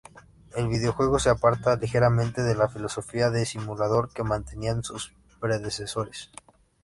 El videojuego se aparta ligeramente de la filosofía de simulador que mantenían sus predecesores.